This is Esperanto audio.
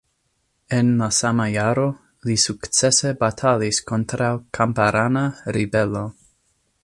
En la sama jaro li sukcese batalis kontraŭ kamparana ribelo.